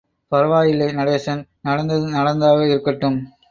பரவாயில்லை நடேசன் நடந்தது நடந்ததாக இருக்கட்டும்.